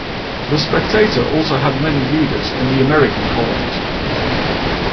"The Spectator" also had many readers in the American colonies.